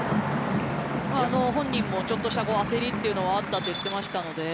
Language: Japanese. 本人もちょっとした焦りというのはあったと言っていましたので。